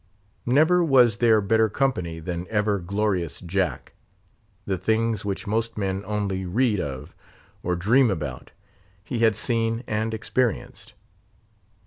Never was there better company than ever glorious Jack. The things which most men only read of, or dream about, he had seen and experienced.